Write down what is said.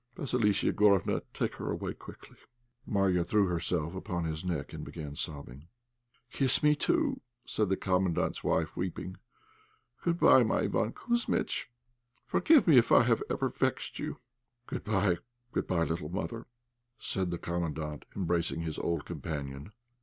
Vassilissa Igorofna, take her away quickly." Marya threw herself upon his neck and began sobbing. "Kiss me, too," said the Commandant's wife, weeping. "Good bye, my Iván Kouzmitch. Forgive me if I have ever vexed you." "Good bye, good bye, little mother," said the Commandant, embracing his old companion.